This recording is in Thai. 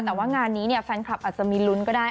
แต่ว่างานนี้เนี่ยแฟนคลับอาจจะมีลุ้นก็ได้